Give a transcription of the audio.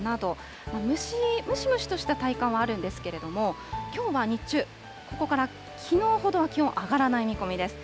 ムシムシとした体感はあるんですけれども、きょうは日中、ここからきのうほどは気温上がらない見込みです。